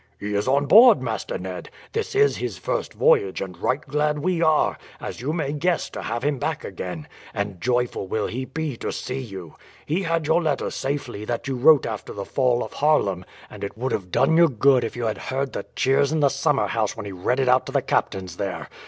"He is on board, Master Ned. This is his first voyage, and right glad we are, as you may guess, to have him back again; and joyful will he be to see you. He had your letter safely that you wrote after the fall of Haarlem, and it would have done you good if you had heard the cheers in the summer house when he read it out to the captains there.